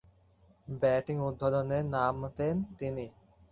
Batting উদ্বোধনে নামতেন তিনি।